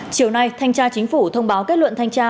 chiều nay thanh tra chính phủ thông báo kết luận thanh tra